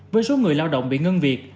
với số người lao động bị ngân việc